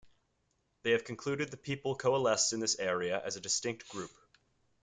They have concluded the people coalesced in this area as a distinct group.